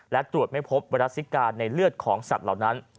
และตรวจไม่พบไวรัสซิกาในเลือดของสัตว์เหล่านั้น